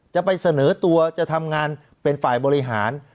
จะไปเสนอตัวจะทำงานเป็นฝ่ายบริหาร